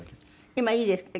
今いいですか？